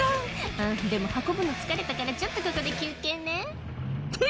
あー、でも運ぶの疲れたからちょっとここで休憩ね。